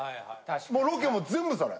もうロケも全部それ。